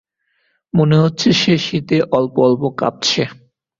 মনে হচ্ছে সে শীতে অল্প অল্প কাঁপছে।